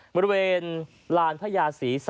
มุดดูเว็นยาดภรรณพยาศี